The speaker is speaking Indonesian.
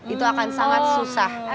itu akan sangat susah